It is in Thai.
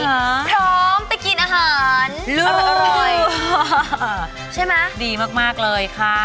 พร้อมไปกินอาหารรู้ว่าชัยมาดีมากมากเลยค่ะ